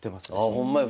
あほんまや。